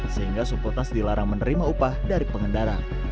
sehingga sukurtas dilarang menerima upah dari pengendara